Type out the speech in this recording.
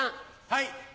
はい。